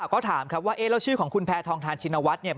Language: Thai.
ก็ถามครับว่าเอ๊ะแล้วชื่อของคุณแพทองทานชินวัฒน์เนี่ย